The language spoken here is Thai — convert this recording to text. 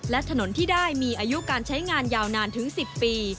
และถนนที่ได้มีอายุการใช้งานยาวนานถึง๑๐ปี